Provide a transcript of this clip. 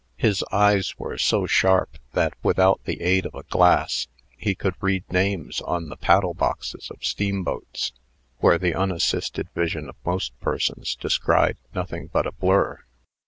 His eyes were so sharp, that, without the aid of a glass, he could read names on the paddle boxes of steamboats, where the unassisted vision of most persons descried nothing but a blur.